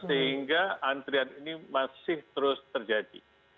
sehingga antrian ini masih terus terjadi